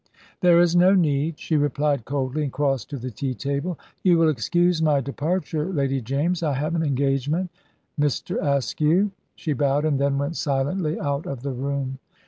"There is no need," she replied coldly, and crossed to the tea table. "You will excuse my departure, Lady James. I have an engagement, Mr. Askew!" She bowed, and then went silently out of the room.